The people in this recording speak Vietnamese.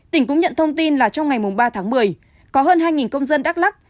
tỉnh cũng nhận thông tin là trong ngày ba tháng một mươi có hơn hai công dân đắk lắc